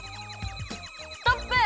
ストップ！